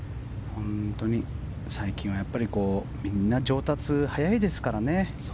最近はみんな上達が早いですからね。